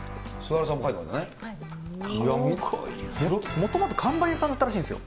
もともと看板屋さんだったらしいんですよ。